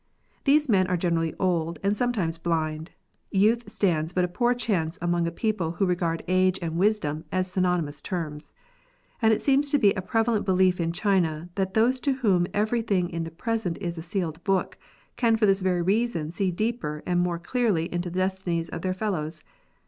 These men are gener ally old, and sometimes blind. Youth stands but a poor chance among a people who regard age and wisdom as synonymous terms ; and it seems to be a prevalent belief in China that those to whom every thing in the present is a sealed book, can for this very reason see deeper and more clearly into the destinies of their fellows.